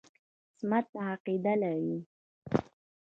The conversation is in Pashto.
عصمت عقیده لري.